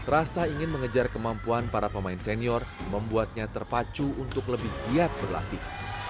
rasa ingin mengejar kemampuan para pemain senior membuatnya terpacu untuk lebih giat berlatih